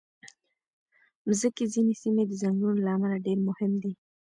د مځکې ځینې سیمې د ځنګلونو له امله ډېر مهم دي.